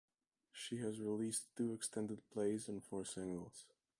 She has released two extended plays and four singles.